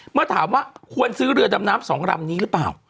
เมื่อถามว่าควรซื้อเรือดำน้ำสองลำนี้หรือเปล่า